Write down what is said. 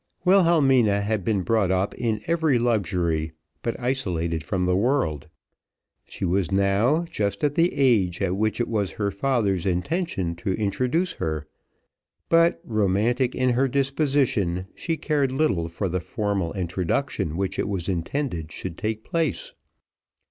Wilhelmina had been brought up in every luxury, but isolated from the world. She was now just at the age at which it was her father's intention to introduce her; but romantic in her disposition, she cared little for the formal introduction which it was intended should take place.